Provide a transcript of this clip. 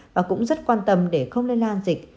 và cũng rất quan tâm để không lây lan dịch